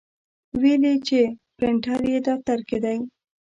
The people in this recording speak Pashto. ویل یې چې پرنټر یې دفتر کې دی.